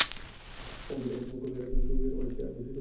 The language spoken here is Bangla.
ঘরের তাপমাত্রা কমিয়ে রাখলে সুনিদ্রার পাশাপাশি আরও কিছু সুফল পাওয়া যায়।